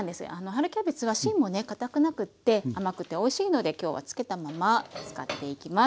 春キャベツは芯もねかたくなくって甘くておいしいので今日は付けたまま使っていきます。